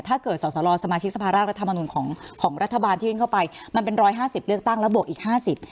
สอสรสมาชิกสภาร่างรัฐมนุนของของรัฐบาลที่วิ่งเข้าไปมันเป็นร้อยห้าสิบเลือกตั้งแล้วบวกอีกห้าสิบ